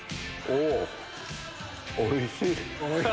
おいしい！